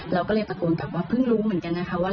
เราก็เลยตะโกนแบบว่าเพิ่งรู้เหมือนกันนะคะว่า